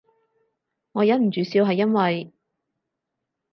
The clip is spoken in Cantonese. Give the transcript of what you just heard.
我忍唔住笑係因為